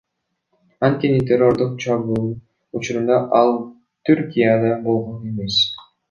Анткени террордук чабуул учурунда ал Түркияда болгон эмес.